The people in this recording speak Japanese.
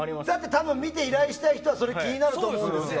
多分見て依頼したい人は気になると思うんですよ。